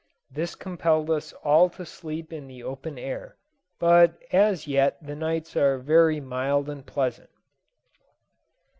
This compelled us all to sleep in the open air; but as yet the nights are very mild and pleasant.